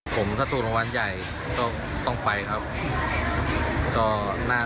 ถ้าสูงรางวัลใหญ่ก็ต้องไปครับ